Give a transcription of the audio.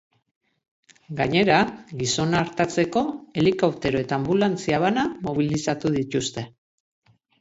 Gainera, gizona artatzeko helikoptero eta anbulantzia bana mobilizatu dituzte.